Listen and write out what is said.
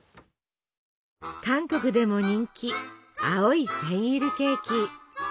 韓国でも人気青いセンイルケーキ！